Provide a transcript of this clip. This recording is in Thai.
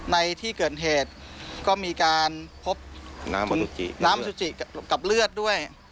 ในที่เกิดเหตุก็มีการพบน้ำซูจิกับเลือดด้วย